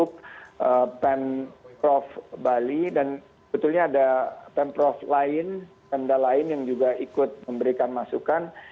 untuk pemprov bali dan betulnya ada pemprov lain pemda lain yang juga ikut memberikan masukan